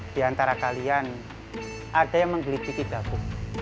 diantara kalian ada yang menggelitiki dapu